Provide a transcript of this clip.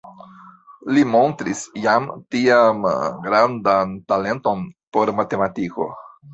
Li montris jam tiam grandan talenton por matematiko.